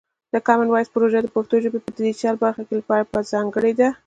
د کامن وایس پروژه د پښتو ژبې په ډیجیټل کې پرمختګ لپاره ځانګړې ده.